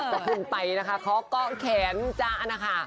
ตอนที่ที่เราไปนะคะเขาก็แขนจ๊ะนะคะ